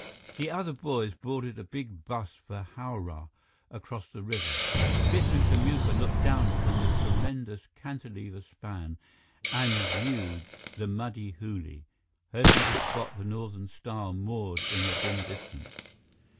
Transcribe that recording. The other boys boarded a big bus for Howrah, across the river. Biff and Kamuka looked down from the tremendous cantilever span and viewed the muddy Hooghly, hoping to spot the Northern Star moored in the dim distance.